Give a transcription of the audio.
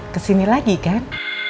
kesini lagi kan